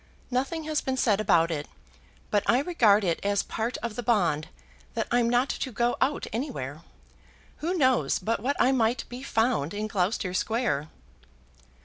"Nothing has been said about it, but I regard it as part of the bond that I'm not to go out anywhere. Who knows but what I might be found in Gloucester Square?"